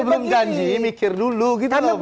sebelum janji mikir dulu gitu loh